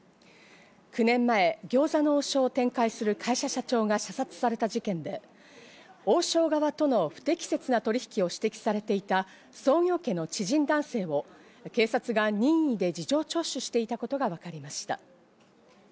９年前、餃子の王将を展開する会社社長が射殺された事件で、王将側との不適切な取り引きを指摘されていた創業家の知人男性を警察が任意で事情聴取していたことがわかりました。